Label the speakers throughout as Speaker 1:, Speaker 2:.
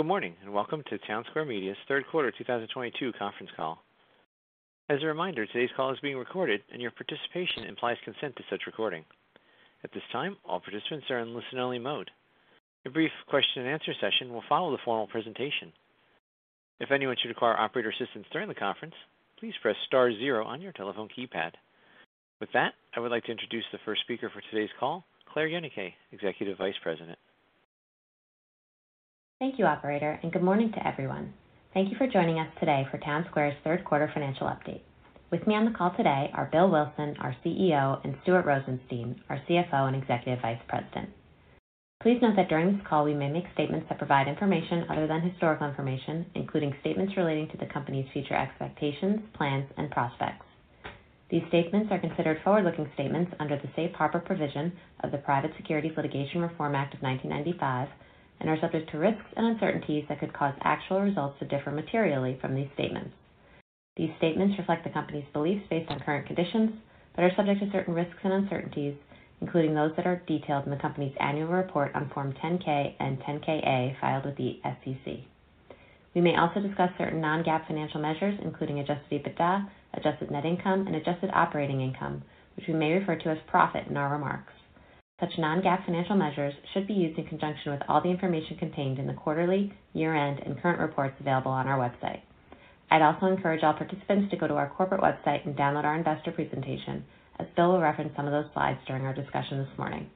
Speaker 1: Good morning, and welcome to Townsquare Media's third quarter 2022 conference call. As a reminder, today's call is being recorded, and your participation implies consent to such recording. At this time, all participants are in listen-only mode. A brief question-and-answer session will follow the formal presentation. If anyone should require operator assistance during the conference, please press star zero on your telephone keypad. With that, I would like to introduce the first speaker for today's call, Claire Yenicay, Executive Vice President.
Speaker 2: Thank you operator, and good morning to everyone. Thank you for joining us today for Townsquare's third quarter financial update. With me on the call today are Bill Wilson, our CEO, and Stuart Rosenstein, our CFO and Executive Vice President. Please note that during this call, we may make statements that provide information other than historical information, including statements relating to the company's future expectations, plans, and prospects. These statements are considered forward-looking statements under the Safe Harbor provision of the Private Securities Litigation Reform Act of 1995 and are subject to risks and uncertainties that could cause actual results to differ materially from these statements. These statements reflect the company's beliefs based on current conditions, but are subject to certain risks and uncertainties, including those that are detailed in the company's annual report on Form 10-K and 10-Q filed with the SEC. We may also discuss certain non-GAAP financial measures, including Adjusted EBITDA, Adjusted Net Income, and Adjusted Operating Income, which we may refer to as profit in our remarks. Such non-GAAP financial measures should be used in conjunction with all the information contained in the quarterly, year-end, and current reports available on our website. I'd also encourage all participants to go to our corporate website and download our investor presentation, as Bill will reference some of those slides during our discussion this morning.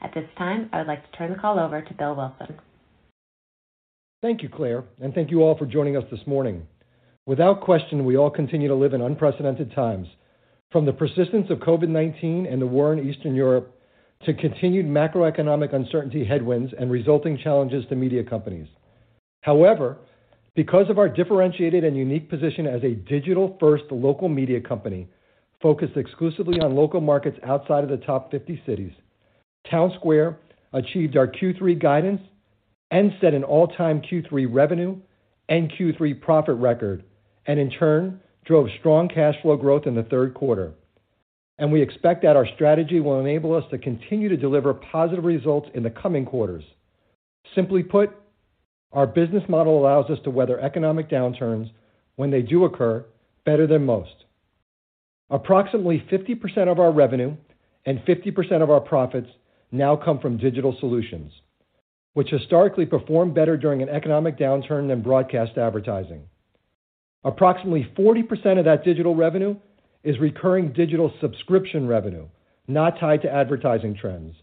Speaker 2: At this time, I would like to turn the call over to Bill Wilson.
Speaker 3: Thank you, Claire, and thank you all for joining us this morning. Without question, we all continue to live in unprecedented times, from the persistence of COVID-19 and the war in Eastern Europe to continued macroeconomic uncertainty headwinds and resulting challenges to media companies. However, because of our differentiated and unique position as a digital-first local media company focused exclusively on local markets outside of the top 50 cities, Townsquare achieved our Q3 guidance and set an all-time Q3 revenue and Q3 profit record, and in turn drove strong cash flow growth in the third quarter. We expect that our strategy will enable us to continue to deliver positive results in the coming quarters. Simply put, our business model allows us to weather economic downturns when they do occur better than most. Approximately 50% of our revenue and 50% of our profits now come from digital solutions, which historically perform better during an economic downturn than broadcast advertising. Approximately 40% of that digital revenue is recurring digital subscription revenue, not tied to advertising trends.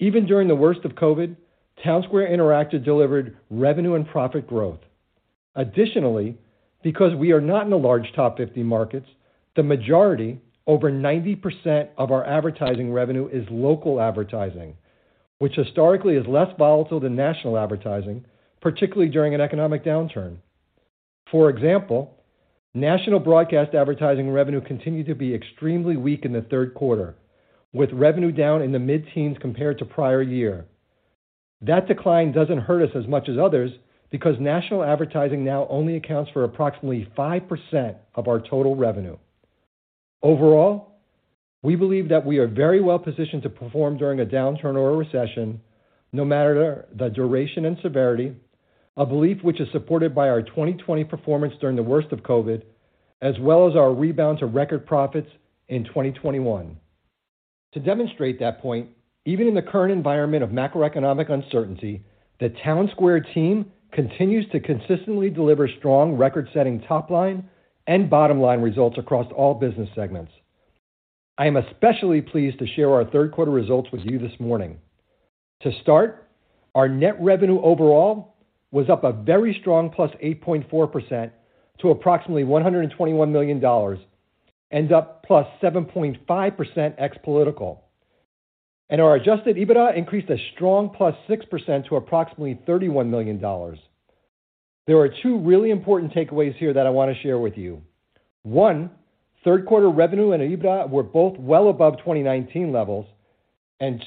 Speaker 3: Even during the worst of COVID, Townsquare Interactive delivered revenue and profit growth. Additionally, because we are not in the large top 50 markets, the majority, over 90% of our advertising revenue is local advertising, which historically is less volatile than national advertising, particularly during an economic downturn. For example, national broadcast advertising revenue continued to be extremely weak in the third quarter, with revenue down in the mid-teens compared to prior year. That decline doesn't hurt us as much as others because national advertising now only accounts for approximately 5% of our total revenue. Overall, we believe that we are very well positioned to perform during a downturn or a recession, no matter the duration and severity, a belief which is supported by our 2020 performance during the worst of COVID, as well as our rebound to record profits in 2021. To demonstrate that point, even in the current environment of macroeconomic uncertainty, the Townsquare team continues to consistently deliver strong record-setting top line and bottom line results across all business segments. I am especially pleased to share our third quarter results with you this morning. To start, our net revenue overall was up a very strong +8.4% to approximately $121 million, and up +7.5% ex political. Our adjusted EBITDA increased a strong +6% to approximately $31 million. There are two really important takeaways here that I want to share with you. One, third quarter revenue and EBITDA were both well above 2019 levels.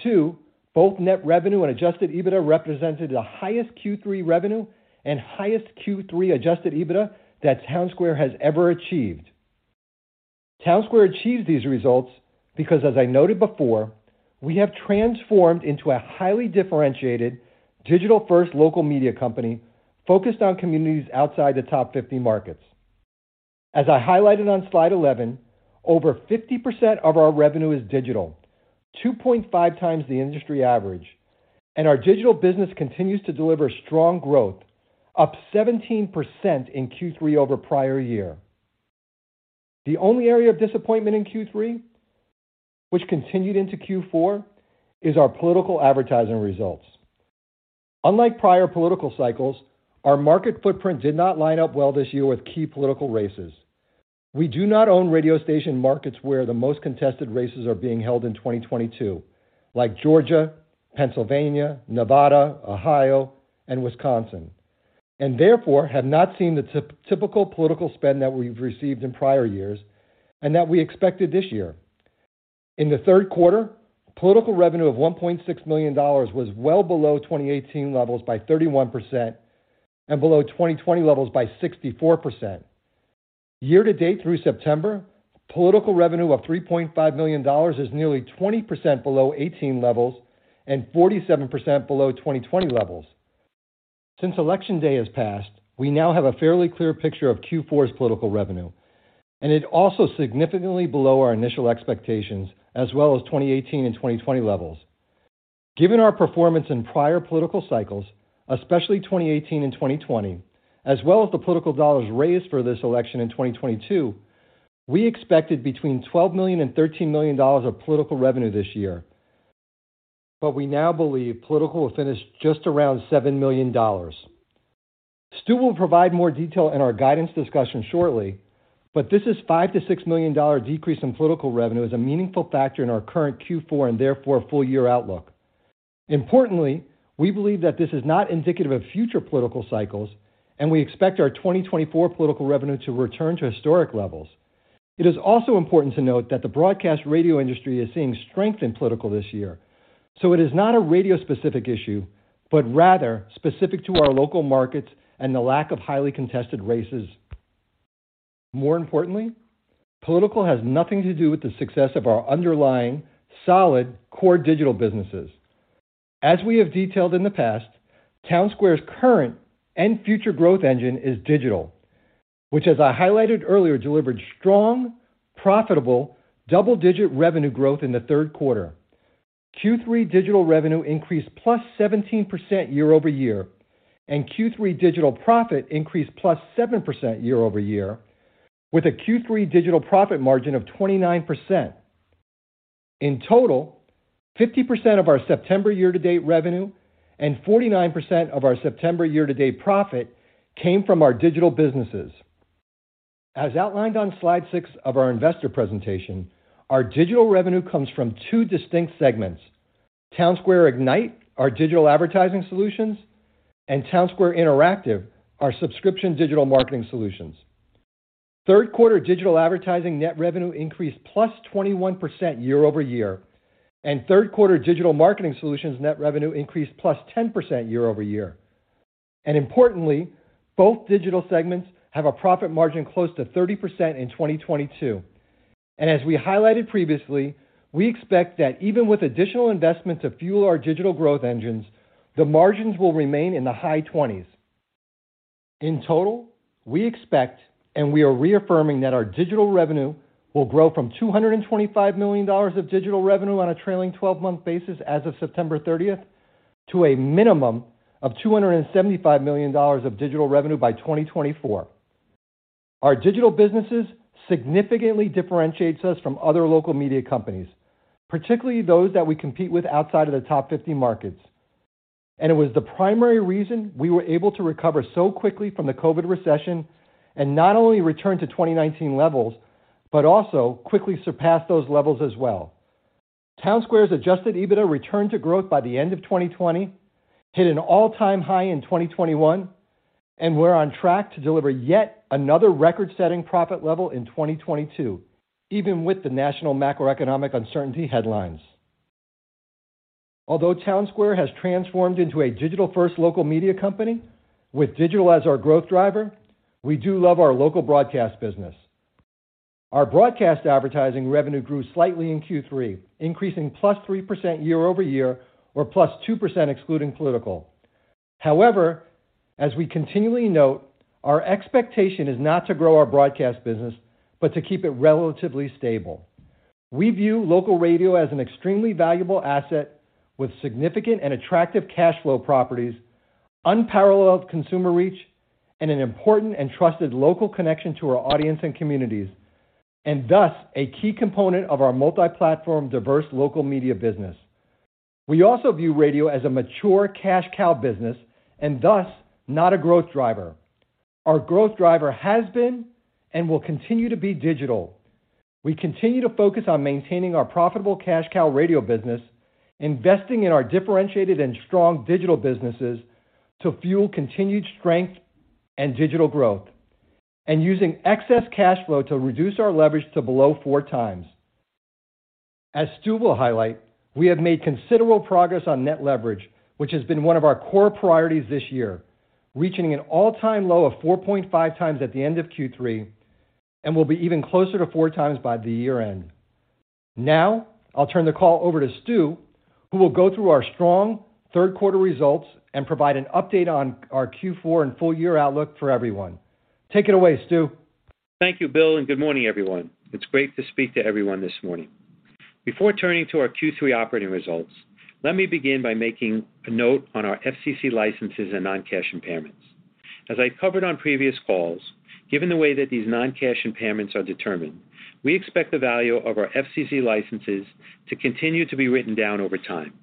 Speaker 3: Two, both net revenue and Adjusted EBITDA represented the highest Q3 revenue and highest Q3 Adjusted EBITDA that Townsquare has ever achieved. Townsquare achieved these results because, as I noted before, we have transformed into a highly differentiated digital first local media company focused on communities outside the top 50 markets. As I highlighted on slide 11, over 50% of our revenue is digital, 2.5x the industry average. Our digital business continues to deliver strong growth, up 17% in Q3 over prior year. The only area of disappointment in Q3, which continued into Q4, is our political advertising results. Unlike prior political cycles, our market footprint did not line up well this year with key political races. We do not own radio station markets where the most contested races are being held in 2022, like Georgia, Pennsylvania, Nevada, Ohio, and Wisconsin, and therefore have not seen the typical political spend that we've received in prior years and that we expected this year. In the third quarter, political revenue of $1.6 million was well below 2018 levels by 31% and below 2020 levels by 64%. Year-to-date through September, political revenue of $3.5 million is nearly 20% below 2018 levels and 47% below 2020 levels. Since election day has passed, we now have a fairly clear picture of Q4's political revenue, and it also significantly below our initial expectations as well as 2018 and 2020 levels. Given our performance in prior political cycles, especially 2018 and 2020, as well as the political dollars raised for this election in 2022, we expected between $12 million and $13 million of political revenue this year. We now believe political will finish just around $7 million. Stu will provide more detail in our guidance discussion shortly, but this is $5 million-$6 million dollar decrease in political revenue is a meaningful factor in our current Q4 and therefore full year outlook. Importantly, we believe that this is not indicative of future political cycles, and we expect our 2024 political revenue to return to historic levels. It is also important to note that the broadcast radio industry is seeing strength in political this year, so it is not a radio specific issue, but rather specific to our local markets and the lack of highly contested races. More importantly, political has nothing to do with the success of our underlying solid core digital businesses. As we have detailed in the past, Townsquare's current and future growth engine is digital, which, as I highlighted earlier, delivered strong, profitable, double-digit revenue growth in the third quarter. Q3 digital revenue increased +17% year-over-year, and Q3 digital profit increased +7% year-over-year with a Q3 digital profit margin of 29%. In total, 50% of our September year-to-date revenue and 49% of our September year-to-date profit came from our digital businesses. As outlined on slide six of our investor presentation, our digital revenue comes from two distinct segments. Townsquare Ignite, our digital advertising solutions, and Townsquare Interactive, our subscription digital marketing solutions. Third quarter digital advertising net revenue increased +21% year-over-year, and third quarter digital marketing solutions net revenue increased +10% year-over-year. Importantly, both digital segments have a profit margin close to 30% in 2022. As we highlighted previously, we expect that even with additional investment to fuel our digital growth engines, the margins will remain in the high 20s. In total, we expect, and we are reaffirming that our digital revenue will grow from $225 million of digital revenue on a trailing twelve-month basis as of September 30th to a minimum of $275 million of digital revenue by 2024. Our digital businesses significantly differentiates us from other local media companies, particularly those that we compete with outside of the top 50 markets. It was the primary reason we were able to recover so quickly from the COVID recession and not only return to 2019 levels, but also quickly surpass those levels as well. Townsquare's Adjusted EBITDA returned to growth by the end of 2020, hit an all-time high in 2021, and we're on track to deliver yet another record-setting profit level in 2022, even with the national macroeconomic uncertainty headlines. Although Townsquare has transformed into a digital first local media company with digital as our growth driver, we do love our local broadcast business. Our broadcast advertising revenue grew slightly in Q3, increasing +3% year-over-year or +2% excluding political. However, as we continually note, our expectation is not to grow our broadcast business, but to keep it relatively stable. We view local radio as an extremely valuable asset with significant and attractive cash flow properties, unparalleled consumer reach, and an important and trusted local connection to our audience and communities, and thus a key component of our multi-platform, diverse local media business. We also view radio as a mature cash cow business and thus not a growth driver. Our growth driver has been and will continue to be digital. We continue to focus on maintaining our profitable cash cow radio business, investing in our differentiated and strong digital businesses to fuel continued strength and digital growth, and using excess cash flow to reduce our leverage to below 4x. As Stu will highlight, we have made considerable progress on net leverage, which has been one of our core priorities this year, reaching an all-time low of 4.5x at the end of Q3 and will be even closer to 4x by the year end. Now, I'll turn the call over to Stu, who will go through our strong third quarter results and provide an update on our Q4 and full year outlook for everyone. Take it away, Stu.
Speaker 4: Thank you, Bill, and good morning, everyone. It's great to speak to everyone this morning. Before turning to our Q3 operating results, let me begin by making a note on our FCC licenses and non-cash impairments. As I covered on previous calls, given the way that these non-cash impairments are determined, we expect the value of our FCC licenses to continue to be written down over time.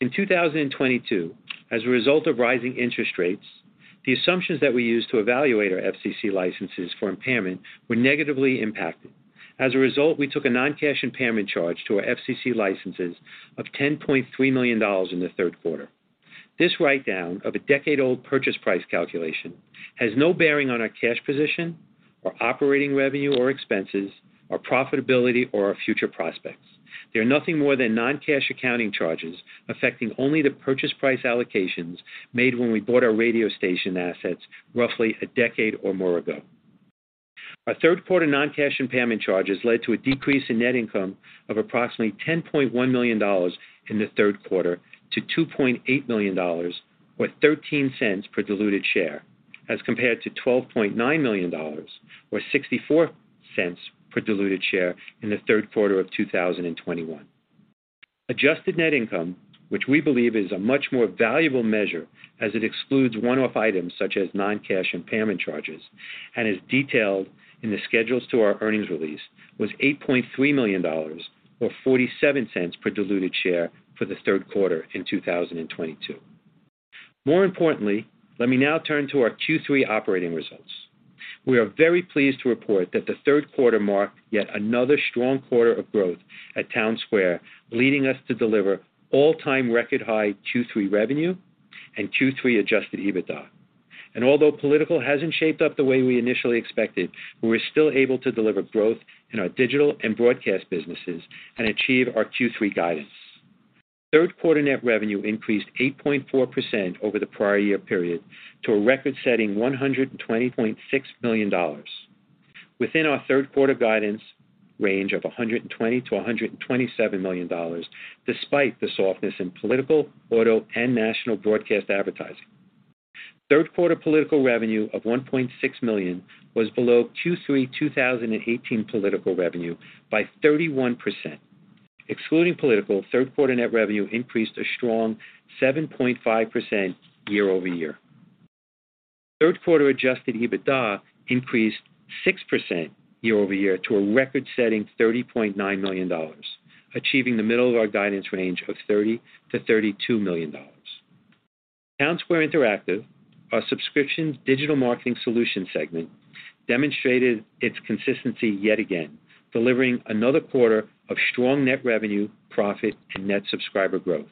Speaker 4: In 2022, as a result of rising interest rates, the assumptions that we used to evaluate our FCC licenses for impairment were negatively impacted. As a result, we took a non-cash impairment charge to our FCC licenses of $10.3 million in the third quarter. This write down of a decade-old purchase price calculation has no bearing on our cash position or operating revenue or expenses, our profitability or our future prospects. They're nothing more than non-cash accounting charges affecting only the purchase price allocations made when we bought our radio station assets roughly a decade or more ago. Our third quarter non-cash impairment charges led to a decrease in net income of approximately $10.1 million in the third quarter to $2.8 million, or $0.13 per diluted share, as compared to $12.9 million or $0.64 per diluted share in the third quarter of 2021. Adjusted Net Income, which we believe is a much more valuable measure as it excludes one-off items such as non-cash impairment charges, and as detailed in the schedules to our earnings release, was $8.3 million, or $0.47 per diluted share for the third quarter of 2022. More importantly, let me now turn to our Q3 operating results. We are very pleased to report that the third quarter marked yet another strong quarter of growth at Townsquare, leading us to deliver all-time record high Q3 revenue and Q3 Adjusted EBITDA. Although political hasn't shaped up the way we initially expected, we were still able to deliver growth in our digital and broadcast businesses and achieve our Q3 guidance. Third quarter net revenue increased 8.4% over the prior year period to a record-setting $120.6 million. Within our third quarter guidance range of $120 million-$127 million, despite the softness in political, auto, and national broadcast advertising. Third quarter political revenue of $1.6 million was below Q3 2018 political revenue by 31%. Excluding political, third quarter net revenue increased a strong 7.5% year-over-year. Third quarter Adjusted EBITDA increased 6% year-over-year to a record-setting $30.9 million, achieving the middle of our guidance range of $30 million-$32 million. Townsquare Interactive, our subscription digital marketing solution segment, demonstrated its consistency yet again, delivering another quarter of strong net revenue, profit, and net subscriber growth.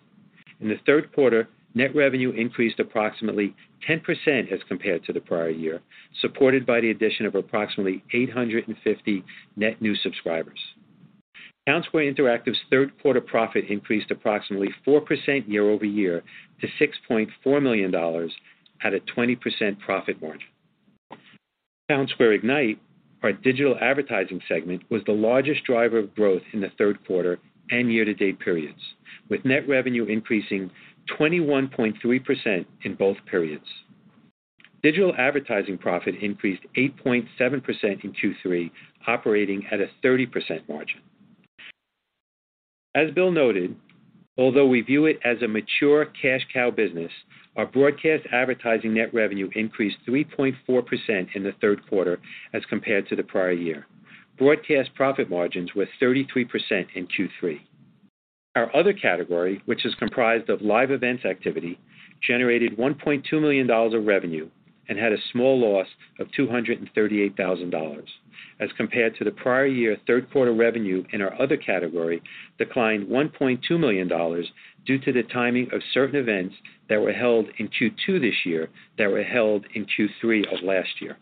Speaker 4: In the third quarter, net revenue increased approximately 10% as compared to the prior year, supported by the addition of approximately 850 net new subscribers. Townsquare Interactive's third quarter profit increased approximately 4% year-over-year to $6.4 million at a 20% profit margin. Townsquare Ignite, our digital advertising segment, was the largest driver of growth in the third quarter and year-to-date periods, with net revenue increasing 21.3% in both periods. Digital advertising profit increased 8.7% in Q3, operating at a 30% margin. As Bill noted, although we view it as a mature cash cow business, our broadcast advertising net revenue increased 3.4% in the third quarter as compared to the prior year. Broadcast profit margins were 33% in Q3. Our other category, which is comprised of live events activity, generated $1.2 million of revenue and had a small loss of $238,000 as compared to the prior year. Third quarter revenue in our other category declined $1.2 million due to the timing of certain events that were held in Q2 this year that were held in Q3 of last year.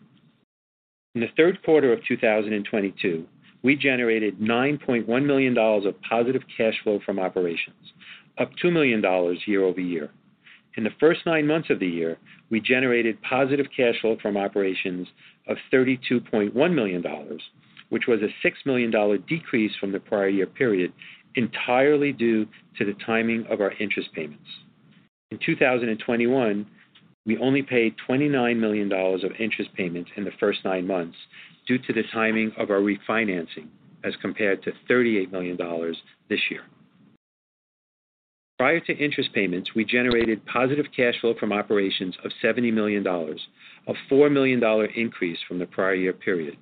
Speaker 4: In the third quarter of 2022, we generated $9.1 million of positive cash flow from operations, up $2 million year-over-year. In the first nine months of the year, we generated positive cash flow from operations of $32.1 million, which was a $6 million decrease from the prior year period, entirely due to the timing of our interest payments. In 2021, we only paid $29 million of interest payments in the first nine months due to the timing of our refinancing, as compared to $38 million this year. Prior to interest payments, we generated positive cash flow from operations of $70 million, a $4 million increase from the prior year period.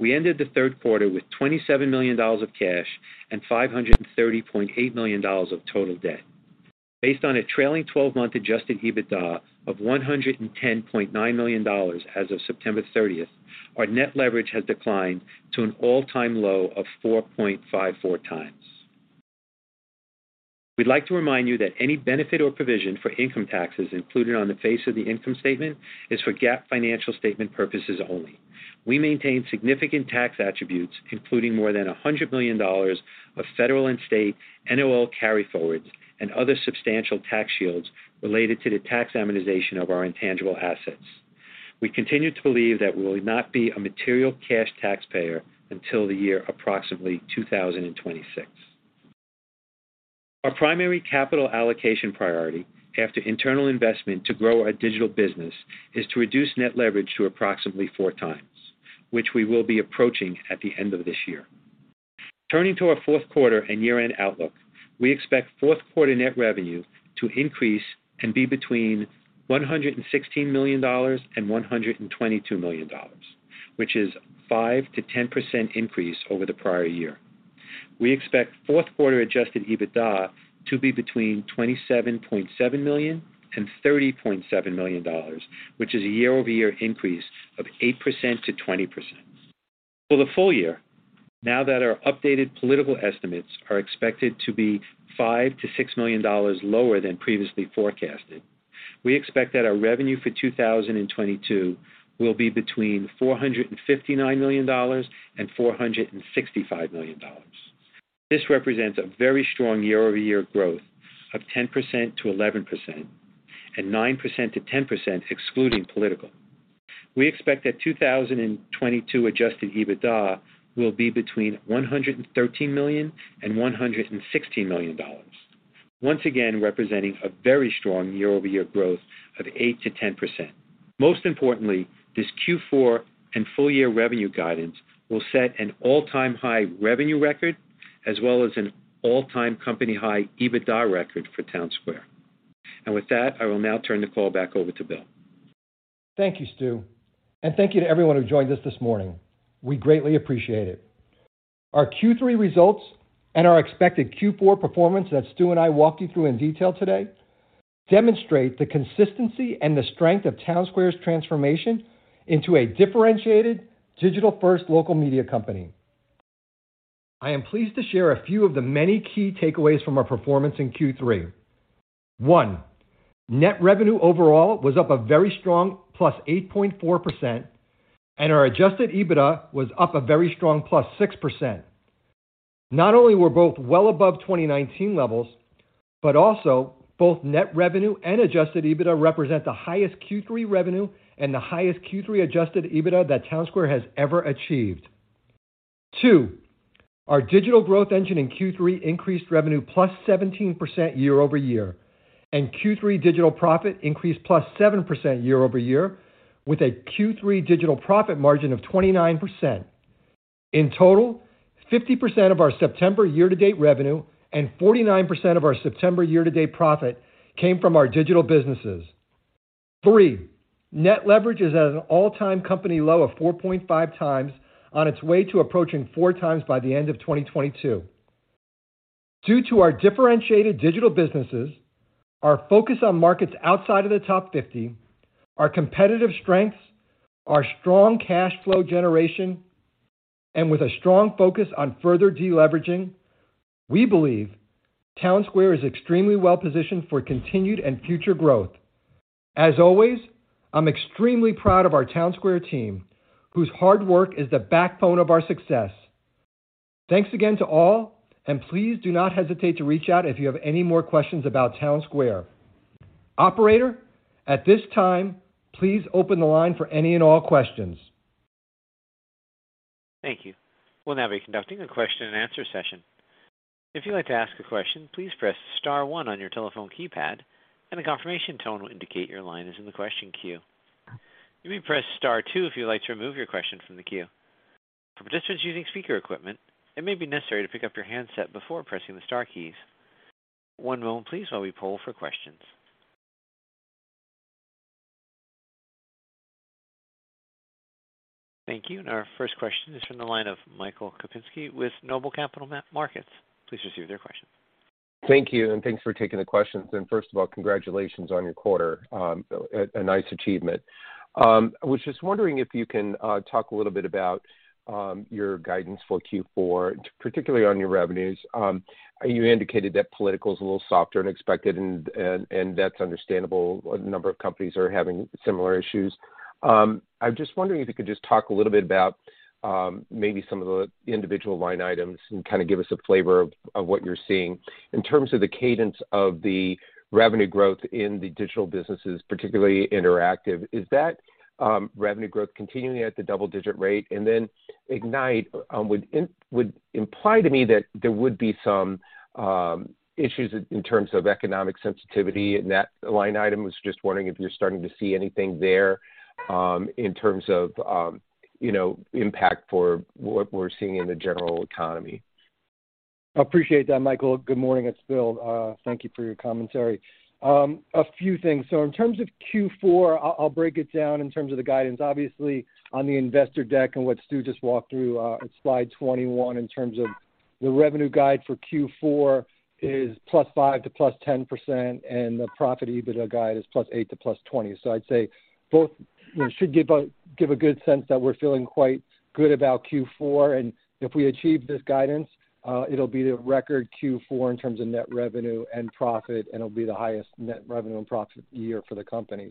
Speaker 4: We ended the third quarter with $27 million of cash and $530.8 million of total debt. Based on a trailing twelve-month Adjusted EBITDA of $110.9 million as of September 30th, our net leverage has declined to an all-time low of 4.54x. We'd like to remind you that any benefit or provision for income taxes included on the face of the income statement is for GAAP financial statement purposes only. We maintain significant tax attributes, including more than $100 million of federal and state NOL carryforwards and other substantial tax shields related to the tax amortization of our intangible assets. We continue to believe that we will not be a material cash taxpayer until the year approximately 2026. Our primary capital allocation priority after internal investment to grow our digital business is to reduce net leverage to approximately 4x, which we will be approaching at the end of this year. Turning to our fourth quarter and year-end outlook, we expect fourth quarter net revenue to increase and be between $116 million and $122 million, which is a 5%-10% increase over the prior year. We expect fourth quarter adjusted EBITDA to be between $27.7 million and $30.7 million, which is a year-over-year increase of 8%-20%. For the full year, now that our updated political estimates are expected to be $5 million-$6 million lower than previously forecasted. We expect that our revenue for 2022 will be between $459 million and $465 million. This represents a very strong year-over-year growth of 10%-11% and 9%-10% excluding political. We expect that 2022 adjusted EBITDA will be between $113 million and $116 million, once again, representing a very strong year-over-year growth of 8%-10%. Most importantly, this Q4 and full year revenue guidance will set an all-time high revenue record as well as an all-time company high EBITDA record for Townsquare. With that, I will now turn the call back over to Bill.
Speaker 3: Thank you, Stu. Thank you to everyone who joined us this morning. We greatly appreciate it. Our Q3 results and our expected Q4 performance that Stu and I walked you through in detail today demonstrate the consistency and the strength of Townsquare's transformation into a differentiated digital first local media company. I am pleased to share a few of the many key takeaways from our performance in Q3. One, net revenue overall was up a very strong +8.4%, and our Adjusted EBITDA was up a very strong +6%. Not only were both well above 2019 levels, but also both net revenue and Adjusted EBITDA represent the highest Q3 revenue and the highest Q3 Adjusted EBITDA that Townsquare has ever achieved. Two, our digital growth engine in Q3 increased revenue +17% year over year, and Q3 digital profit increased +7% year over year with a Q3 digital profit margin of 29%. In total, 50% of our September year-to-date revenue and 49% of our September year-to-date profit came from our digital businesses. Three, net leverage is at an all-time company low of 4.5x on its way to approaching 4x by the end of 2022. Due to our differentiated digital businesses, our focus on markets outside of the top 50, our competitive strengths, our strong cash flow generation, and with a strong focus on further deleveraging, we believe Townsquare is extremely well positioned for continued and future growth. As always, I'm extremely proud of our Townsquare team, whose hard work is the backbone of our success. Thanks again to all, and please do not hesitate to reach out if you have any more questions about Townsquare. Operator, at this time, please open the line for any and all questions.
Speaker 1: Thank you. We'll now be conducting a question and answer session. If you'd like to ask a question, please press star one on your telephone keypad and a confirmation tone will indicate your line is in the question queue. You may press star two if you'd like to remove your question from the queue. For participants using speaker equipment, it may be necessary to pick up your handset before pressing the star keys. One moment please while we poll for questions. Thank you. Our first question is from the line of Michael Kupinski with Noble Capital Markets. Please proceed with your question.
Speaker 5: Thank you, and thanks for taking the questions. First of all, congratulations on your quarter. A nice achievement. I was just wondering if you can talk a little bit about your guidance for Q4, particularly on your revenues. You indicated that political is a little softer than expected and that's understandable. A number of companies are having similar issues. I'm just wondering if you could just talk a little bit about maybe some of the individual line items and kind of give us a flavor of what you're seeing. In terms of the cadence of the revenue growth in the digital businesses, particularly interactive, is that revenue growth continuing at the double digit rate? Ignite would imply to me that there would be some issues in terms of economic sensitivity in that line item. Was just wondering if you're starting to see anything there in terms of you know impact from what we're seeing in the general economy.
Speaker 3: Appreciate that, Michael. Good morning, it's Bill. Thank you for your commentary. A few things. In terms of Q4, I'll break it down in terms of the guidance. Obviously, on the investor deck and what Stu just walked through, at slide 21 in terms of the revenue guide for Q4 is +5% to +10%, and the profit EBITDA guide is +8% to +20%. I'd say both, you know, should give a good sense that we're feeling quite good about Q4. If we achieve this guidance, it'll be the record Q4 in terms of net revenue and profit, and it'll be the highest net revenue and profit year for the company.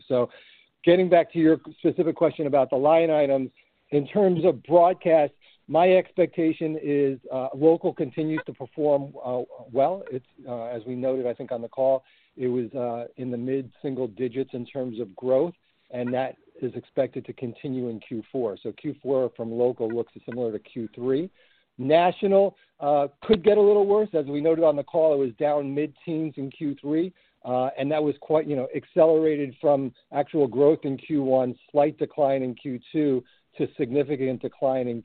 Speaker 3: Getting back to your specific question about the line items. In terms of broadcast, my expectation is, local continues to perform well. It's as we noted, I think, on the call, it was in the mid-single digits% in terms of growth, and that is expected to continue in Q4. Q4 from local looks similar to Q3. National could get a little worse. As we noted on the call, it was down mid-teens in Q3, and that was quite, you know, accelerated from actual growth in Q1, slight decline in Q2, to significant decline in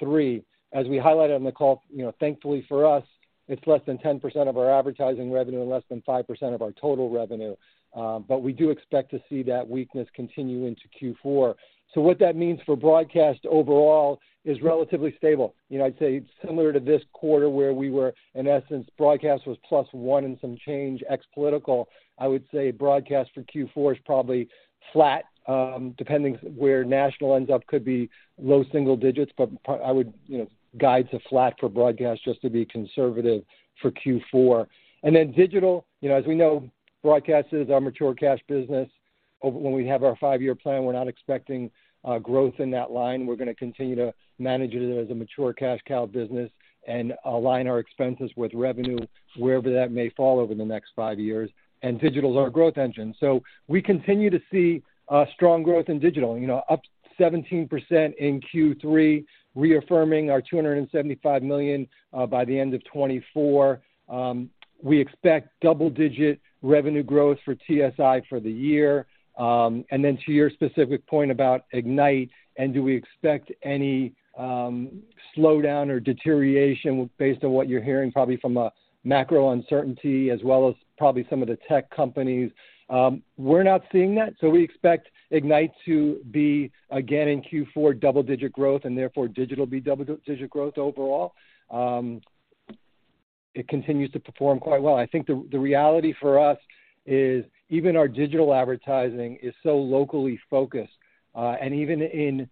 Speaker 3: Q3. As we highlighted on the call, you know, thankfully for us, it's less than 10% of our advertising revenue and less than 5% of our total revenue. But we do expect to see that weakness continue into Q4. What that means for broadcast overall is relatively stable. You know, I'd say similar to this quarter where we were in essence broadcast was +1% and some change ex political. I would say broadcast for Q4 is probably flat, depending where national ends up could be low single digits, but I would, you know, guide to flat for broadcast just to be conservative for Q4. Digital, you know, as we know, broadcast is our mature cash business. When we have our five-year plan, we're not expecting growth in that line. We're gonna continue to manage it as a mature cash cow business and align our expenses with revenue wherever that may fall over the next five years, and digital's our growth engine. We continue to see strong growth in digital, you know, up 17% in Q3, reaffirming our $275 million by the end of 2024. We expect double-digit revenue growth for TSI for the year. To your specific point about Ignite and do we expect any slowdown or deterioration based on what you're hearing probably from a macro uncertainty as well as probably some of the tech companies. We're not seeing that. We expect Ignite to be, again, in Q4, double digit growth, and therefore digital will be double digit growth overall. It continues to perform quite well. I think the reality for us is even our digital advertising is so locally focused, and even in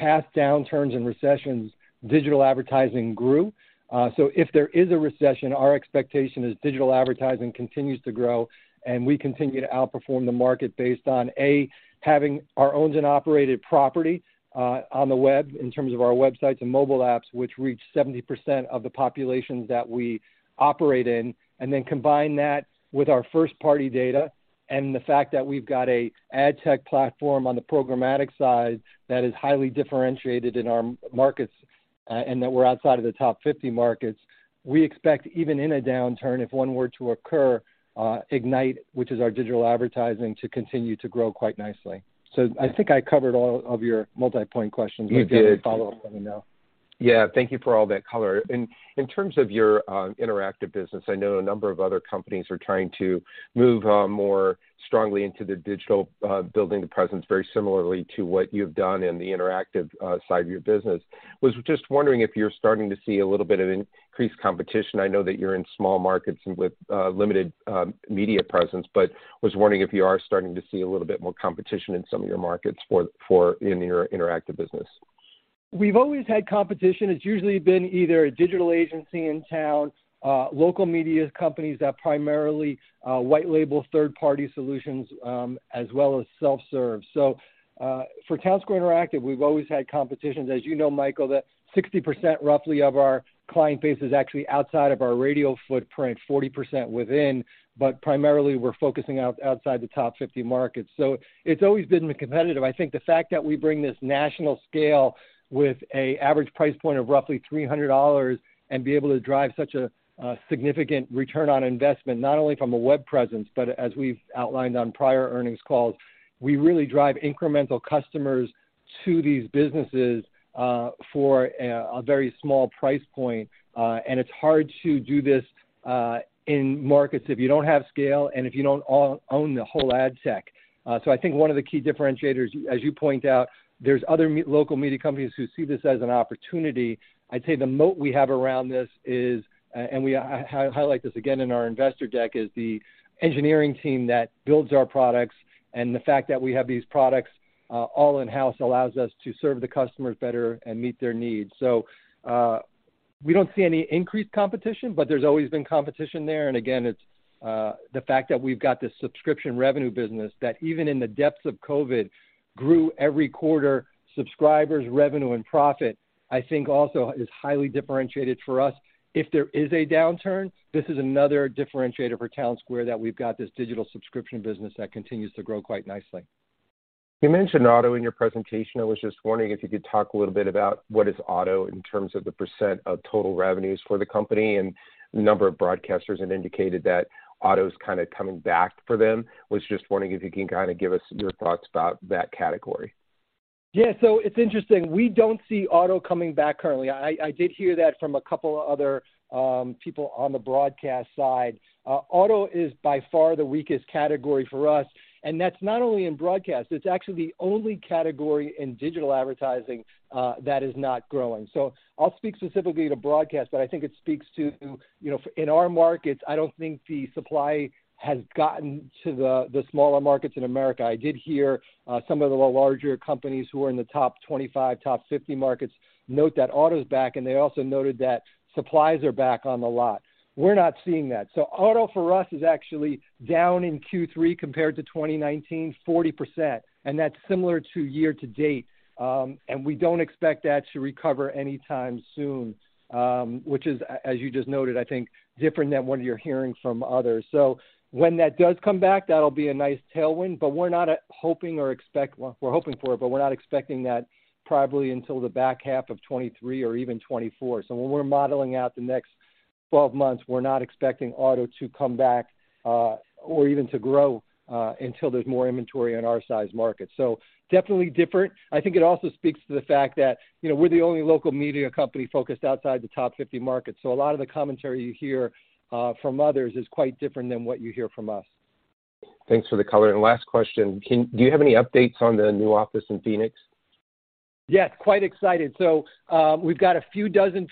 Speaker 3: past downturns and recessions, digital advertising grew. If there is a recession, our expectation is digital advertising continues to grow and we continue to outperform the market based on, A, having our owned and operated property, on the web in terms of our websites and mobile apps, which reach 70% of the populations that we operate in, and then combine that with our first-party data and the fact that we've got a ad tech platform on the programmatic side that is highly differentiated in our markets, and that we're outside of the top 50 markets. We expect, even in a downturn, if one were to occur, Ignite, which is our digital advertising, to continue to grow quite nicely. I think I covered all of your multipoint questions.
Speaker 5: You did.
Speaker 3: If you have any follow-ups, let me know.
Speaker 5: Yeah. Thank you for all that color. In terms of your interactive business, I know a number of other companies are trying to move more strongly into the digital building the presence very similarly to what you've done in the interactive side of your business. Was just wondering if you're starting to see a little bit of increased competition. I know that you're in small markets and with limited media presence, but was wondering if you are starting to see a little bit more competition in some of your markets for in your interactive business.
Speaker 3: We've always had competition. It's usually been either a digital agency in town, local media companies that primarily white label third-party solutions, as well as self-serve. For Townsquare Interactive, we've always had competitions. As you know, Michael, that roughly 60% of our client base is actually outside of our radio footprint, 40% within, but primarily we're focusing outside the top 50 markets. It's always been competitive. I think the fact that we bring this national scale with a average price point of roughly $300 and be able to drive such a significant return on investment, not only from a web presence, but as we've outlined on prior earnings calls, we really drive incremental customers to these businesses, for a very small price point. It's hard to do this in markets if you don't have scale and if you don't own the whole ad tech. I think one of the key differentiators, as you point out, there's other local media companies who see this as an opportunity. I'd say the moat we have around this is, and we highlight this again in our investor deck, is the engineering team that builds our products, and the fact that we have these products all in-house allows us to serve the customers better and meet their needs. We don't see any increased competition, but there's always been competition there. It's the fact that we've got this subscription revenue business that even in the depths of COVID grew every quarter, subscribers, revenue, and profit, I think also is highly differentiated for us. If there is a downturn, this is another differentiator for Townsquare, that we've got this digital subscription business that continues to grow quite nicely.
Speaker 5: You mentioned auto in your presentation. I was just wondering if you could talk a little bit about what is auto in terms of the percent of total revenues for the company and the number of broadcasters have indicated that auto's kinda coming back for them. I was just wondering if you can kinda give us your thoughts about that category.
Speaker 3: Yeah. It's interesting. We don't see auto coming back currently. I did hear that from a couple other people on the broadcast side. Auto is by far the weakest category for us, and that's not only in broadcast. It's actually the only category in digital advertising that is not growing. I'll speak specifically to broadcast, but I think it speaks to, you know, in our markets. I don't think the supply has gotten to the smaller markets in America. I did hear some of the larger companies who are in the top 25, top 50 markets note that auto's back, and they also noted that supplies are back on the lot. We're not seeing that. Auto for us is actually down in Q3 compared to 2019, 40%, and that's similar to year to date. We don't expect that to recover anytime soon, which is, as you just noted, I think different than what you're hearing from others. When that does come back, that'll be a nice tailwind, but we're hoping for it, but we're not expecting that probably until the back half of 2023 or even 2024. When we're modeling out the next 12 months, we're not expecting auto to come back, or even to grow, until there's more inventory in our size market. Definitely different. I think it also speaks to the fact that, you know, we're the only local media company focused outside the top 50 markets. A lot of the commentary you hear from others is quite different than what you hear from us.
Speaker 5: Thanks for the color. Last question: Do you have any updates on the new office in Phoenix?
Speaker 3: Yes, quite excited. We've got a few dozen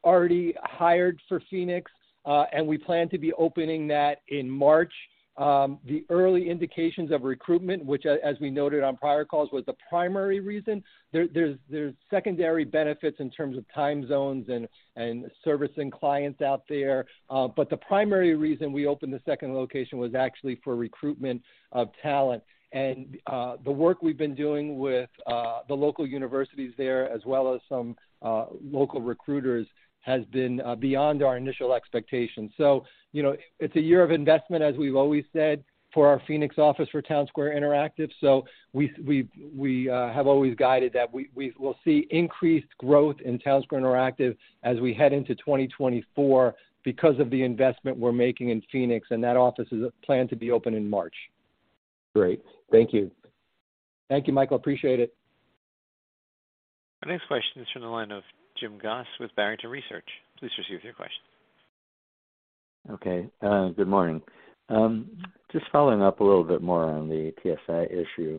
Speaker 3: people already hired for Phoenix, and we plan to be opening that in March. The early indications of recruitment, which as we noted on prior calls, was the primary reason. There's secondary benefits in terms of time zones and servicing clients out there. But the primary reason we opened the second location was actually for recruitment of talent. The work we've been doing with the local universities there, as well as some local recruiters, has been beyond our initial expectations. You know, it's a year of investment, as we've always said, for our Phoenix office for Townsquare Interactive. We have always guided that we'll see increased growth in Townsquare Interactive as we head into 2024 because of the investment we're making in Phoenix, and that office is planned to be open in March.
Speaker 5: Great. Thank you.
Speaker 3: Thank you, Michael. Appreciate it.
Speaker 1: Our next question is from the line of Jim Goss with Barrington Research. Please proceed with your question.
Speaker 6: Okay. Good morning. Just following up a little bit more on the TSI issue.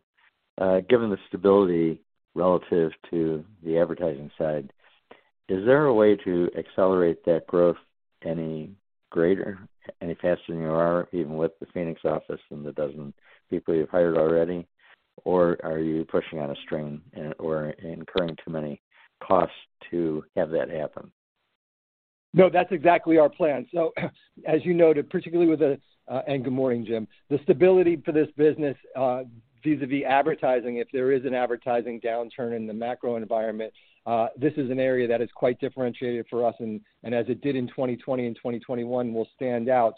Speaker 6: Given the stability relative to the advertising side, is there a way to accelerate that growth any greater, any faster than you are, even with the Phoenix office and the dozen people you've hired already? Or are you pushing on a string or incurring too many costs to have that happen?
Speaker 3: No, that's exactly our plan. As you noted, particularly with the Good morning, Jim. The stability for this business, vis-a-vis advertising, if there is an advertising downturn in the macro environment, this is an area that is quite differentiated for us and as it did in 2020 and 2021 will stand out.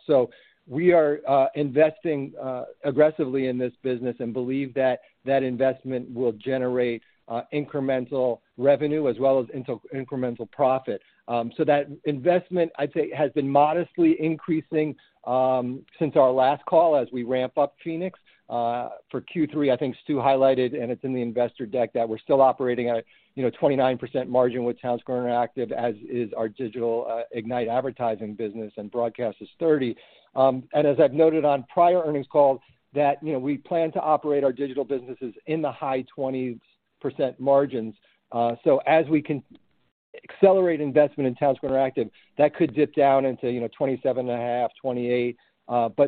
Speaker 3: We are investing aggressively in this business and believe that that investment will generate incremental revenue as well as incremental profit. That investment, I'd say, has been modestly increasing since our last call as we ramp up Phoenix. For Q3, I think Stu highlighted, and it's in the investor deck, that we're still operating at a 29% margin with Townsquare Interactive, as is our digital Ignite advertising business, and broadcast is 30%. As I've noted on prior earnings calls that, you know, we plan to operate our digital businesses in the high 20s% margins. As we can accelerate investment in Townsquare Interactive, that could dip down into, you know, 27.5%-28%.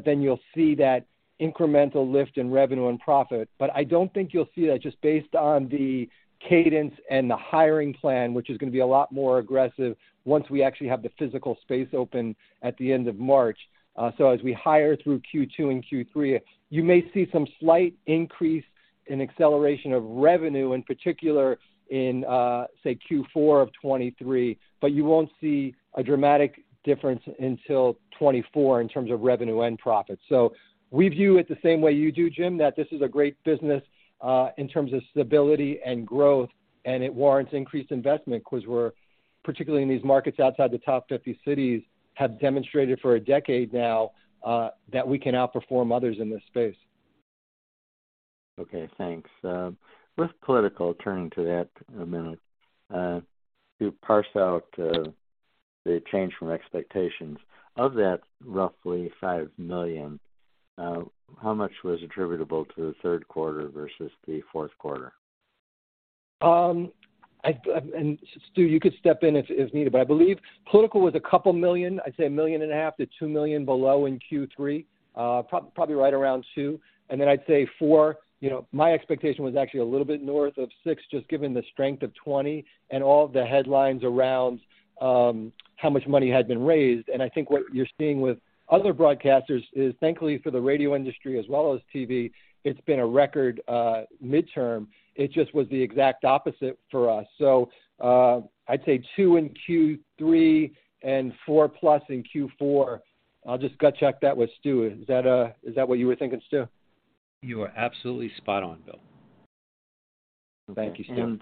Speaker 3: Then you'll see that incremental lift in revenue and profit. I don't think you'll see that just based on the cadence and the hiring plan, which is gonna be a lot more aggressive once we actually have the physical space open at the end of March. As we hire through Q2 and Q3, you may see some slight increase in acceleration of revenue, in particular in, say Q4 of 2023, but you won't see a dramatic difference until 2024 in terms of revenue and profit. We view it the same way you do, Jim, that this is a great business, in terms of stability and growth, and it warrants increased investment because we're, particularly in these markets outside the top 50 cities, have demonstrated for a decade now, that we can outperform others in this space.
Speaker 6: Okay, thanks. With political, turning to that a minute, to parse out, the change from expectations. Of that roughly $5 million, how much was attributable to the third quarter versus the fourth quarter?
Speaker 3: Stu, you could step in if needed. I believe political was $2 million. I'd say $1.5 million-$2 million below in Q3. Probably right around $2 million. Then I'd say $4 million. You know, my expectation was actually a little bit north of $6 million, just given the strength of 2020 and all the headlines around how much money had been raised. I think what you're seeing with other broadcasters is, thankfully for the radio industry as well as TV, it's been a record midterm. It just was the exact opposite for us. I'd say $2 million in Q3 and $4+ million in Q4. I'll just gut check that with Stu. Is that what you were thinking, Stu?
Speaker 4: You are absolutely spot on, Bill.
Speaker 3: Thank you, Stu.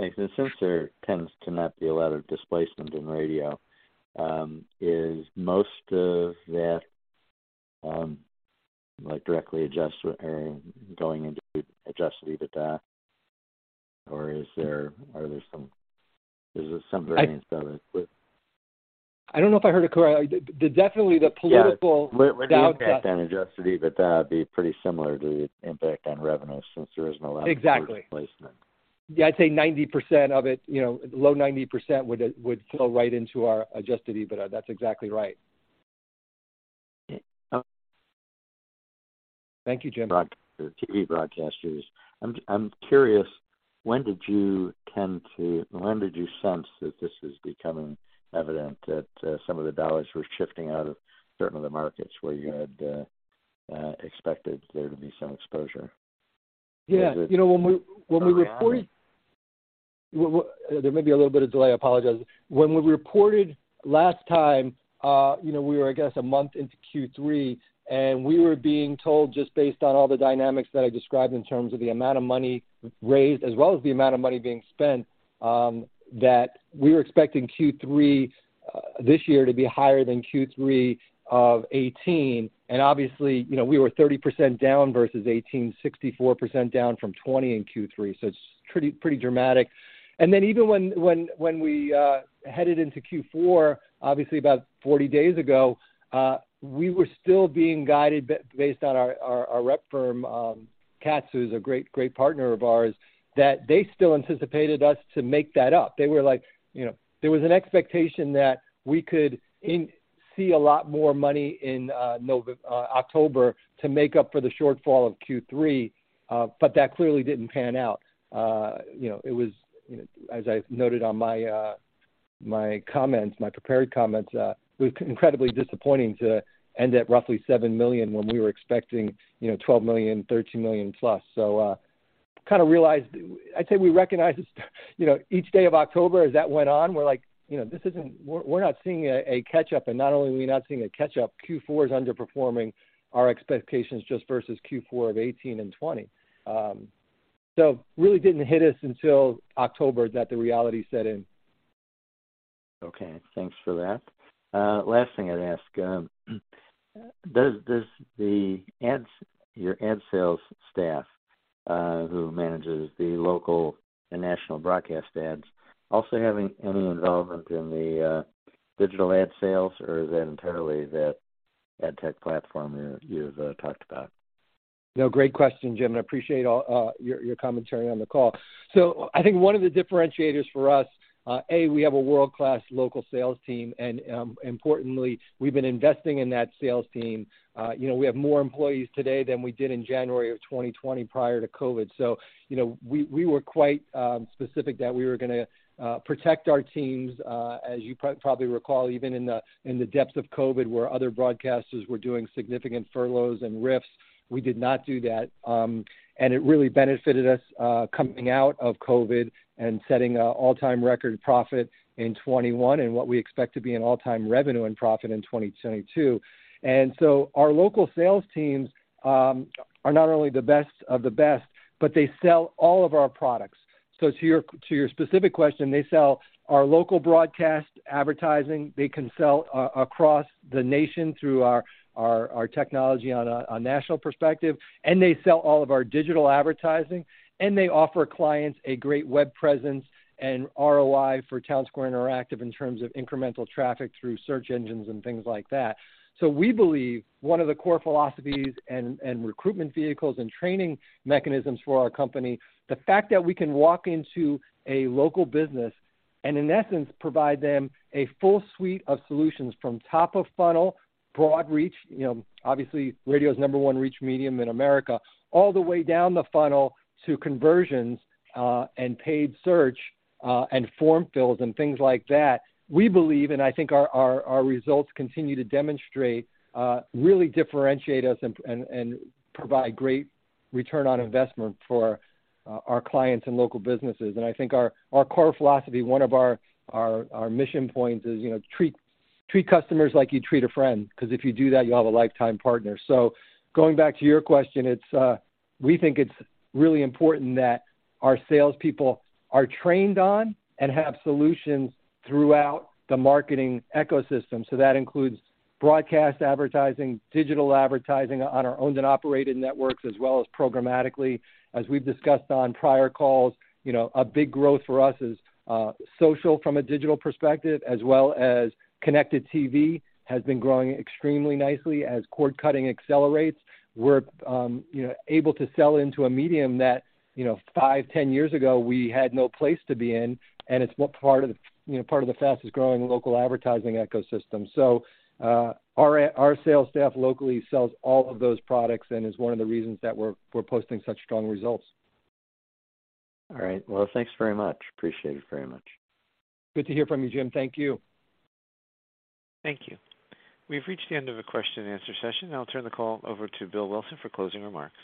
Speaker 6: Since there tends to not be a lot of displacement in radio, is most of that like directly or going into Adjusted EBITDA? Or is there some variance there with-
Speaker 3: I don't know if I heard it correctly. Definitely the political.
Speaker 6: Yeah. Would the impact on Adjusted EBITDA be pretty similar to the impact on revenue since there isn't a lot of displacement?
Speaker 3: Exactly. Yeah, I'd say 90% of it, you know, low 90% would flow right into our Adjusted EBITDA. That's exactly right.
Speaker 6: Okay.
Speaker 3: Thank you, Jim.
Speaker 6: Broadcasters, the TV broadcasters. I'm curious, when did you sense that this was becoming evident that some of the dollars were shifting out of certain other markets where you had expected there to be some exposure?
Speaker 3: Yeah. You know, when we reported-
Speaker 6: Sorry.
Speaker 3: There may be a little bit of delay. I apologize. When we reported last time, you know, we were, I guess, a month into Q3, and we were being told just based on all the dynamics that I described in terms of the amount of money raised as well as the amount of money being spent, that we were expecting Q3 this year to be higher than Q3 of 2018. Obviously, you know, we were 30% down versus 2018, 64% down from 2020 in Q3. It's pretty dramatic. Then even when we headed into Q4, obviously about 40 days ago, we were still being guided based on our rep firm, Katz who's a great partner of ours, that they still anticipated us to make that up. They were like, you know. There was an expectation that we could see a lot more money in October to make up for the shortfall of Q3, but that clearly didn't pan out. You know, it was as I noted on my prepared comments, it was incredibly disappointing to end at roughly $7 million when we were expecting, you know, $12 million, $13+ million. I'd say we recognized each day of October as that went on, we're like, you know, we're not seeing a catch-up, and not only are we not seeing a catch-up, Q4 is underperforming our expectations just versus Q4 of 2018 and 2020. Really didn't hit us until October that the reality set in.
Speaker 6: Okay, thanks for that. Last thing I'd ask, does the ads, your ad sales staff, who manages the local and national broadcast ads also having any involvement in the digital ad sales or is that entirely that ad tech platform you've talked about?
Speaker 3: No, great question, Jim. I appreciate all your commentary on the call. I think one of the differentiators for us, we have a world-class local sales team, and importantly, we've been investing in that sales team. You know, we have more employees today than we did in January of 2020 prior to COVID. You know, we were quite specific that we were gonna protect our teams. As you probably recall, even in the depths of COVID, where other broadcasters were doing significant furloughs and RIFs, we did not do that. It really benefited us coming out of COVID and setting an all-time record profit in 2021 and what we expect to be an all-time revenue and profit in 2022. Our local sales teams are not only the best of the best, but they sell all of our products. To your specific question, they sell our local broadcast advertising. They can sell across the nation through our technology on a national perspective, and they sell all of our digital advertising, and they offer clients a great web presence and ROI for Townsquare Interactive in terms of incremental traffic through search engines and things like that. We believe one of the core philosophies and recruitment vehicles and training mechanisms for our company, the fact that we can walk into a local business and in essence provide them a full suite of solutions from top of funnel, broad reach, you know, obviously radio's number one reach medium in America, all the way down the funnel to conversions, and paid search, and form fills and things like that. We believe, and I think our results continue to demonstrate, really differentiate us and provide great return on investment for our clients and local businesses. I think our core philosophy, one of our mission points is, you know, treat customers like you'd treat a friend, 'cause if you do that, you have a lifetime partner. Going back to your question, it's we think it's really important that our salespeople are trained on and have solutions throughout the marketing ecosystem. That includes broadcast advertising, digital advertising on our owned and operated networks, as well as programmatically. As we've discussed on prior calls, you know, a big growth for us is social from a digital perspective as well as Connected TV has been growing extremely nicely. As cord cutting accelerates, we're you know, able to sell into a medium that you know, five, 10 years ago we had no place to be in, and it's part of the fastest growing local advertising ecosystem. Our sales staff locally sells all of those products and is one of the reasons that we're posting such strong results.
Speaker 6: All right. Well, thanks very much. Appreciate it very much.
Speaker 3: Good to hear from you, Jim. Thank you.
Speaker 1: Thank you. We've reached the end of the question and answer session. I'll turn the call over to Bill Wilson for closing remarks.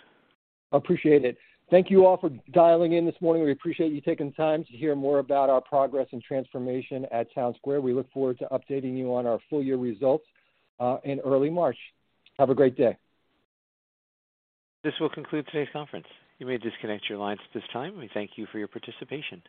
Speaker 3: Appreciate it. Thank you all for dialing in this morning. We appreciate you taking the time to hear more about our progress and transformation at Townsquare. We look forward to updating you on our full year results in early March. Have a great day.
Speaker 1: This will conclude today's conference. You may disconnect your lines at this time. We thank you for your participation.